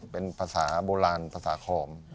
เป็นภาษาโบราณภาษาคอม